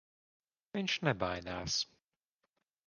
Viņš nebaidās.